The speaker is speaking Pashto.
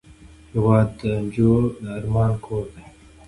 هېواد د نجو د ارمان کور دی.